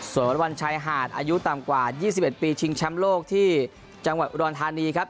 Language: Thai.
ส่วนวันชายหาดอายุต่ำกว่า๒๑ปีชิงแชมป์โลกที่จังหวัดอุดรธานีครับ